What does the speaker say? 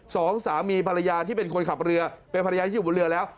สองสามีภรรยาที่เป็นคนขับเรือเป็นภรรยาที่อยู่บนเรือแล้ว